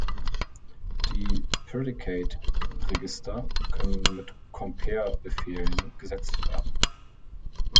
Die Predicate-Register können mit Compare-Befehlen gesetzt werden.